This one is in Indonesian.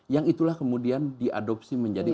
yang itulah kemudian diadopsi menjadi